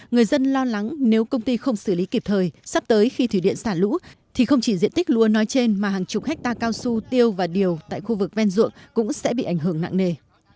người dân lo lắng nếu công ty không xử lý kịp thời sắp tới khi thủy điện xả lũ thì không chỉ diện tích lúa nói trên mà hàng chục hectare cao su tiêu và điều tại khu vực ven ruộng cũng sẽ bị ảnh hưởng nặng nề